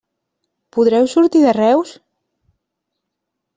Podreu sortir de Reus?